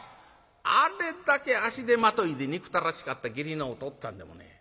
あれだけ足手まといで憎たらしかった義理のおとっつぁんでもね